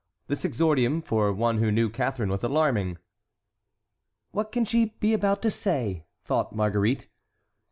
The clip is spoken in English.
This exordium for one who knew Catharine was alarming. "What can she be about to say?" thought Marguerite.